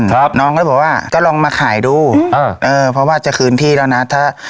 ครับน้องก็เลยบอกว่าก็ลองมาขายดูเออเออเพราะว่าจะคืนที่แล้วนะถ้า